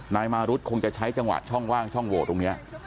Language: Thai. นายมารุธคงจะใช้จังหวะช่องว่างช่องโหวตตรงนี้